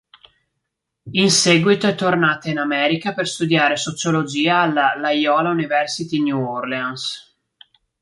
In seguito è tornata in America per studiare sociologia alla Layola University New Orleans.